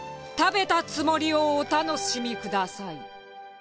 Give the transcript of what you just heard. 食べたつもりをお楽しみください。